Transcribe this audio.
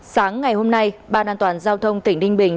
sáng ngày hôm nay ban an toàn giao thông tỉnh ninh bình